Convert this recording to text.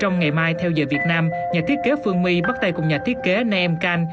trong ngày mai theo giờ việt nam nhà thiết kế phương my bắt tay cùng nhà thiết kế nem kan